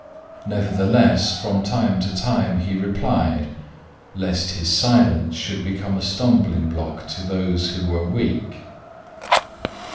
Nevertheless, from time to time he replied, lest his silence should become a stumbling block to those who were weak.